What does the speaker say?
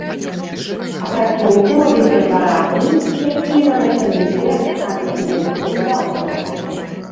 Апрацоўку робім прэпаратамі, якія нам рэкамендуе санэпідэмслужба горада.